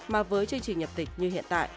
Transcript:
mà với chương trình nhập tịch như hiện tại